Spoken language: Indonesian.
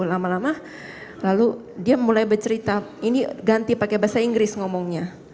lama lama lalu dia mulai bercerita ini ganti pakai bahasa inggris ngomongnya